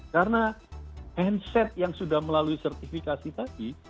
karena handset yang sudah melalui sertifikasi tadi